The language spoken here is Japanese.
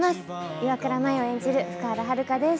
岩倉舞を演じる福原遥です。